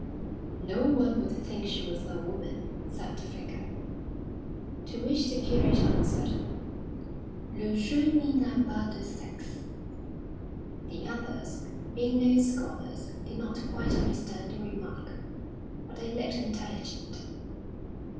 "No one would think she was a woman," said the Vicar. To which the curate answered: "Le genie n'a pas de sexe." The others, being no scholars, did not quite understand the remark, but they looked intelligent.